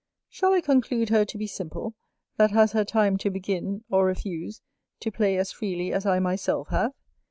Shall I conclude her to be simple, that has her time to begin or refuse, to play as freely as I myself have?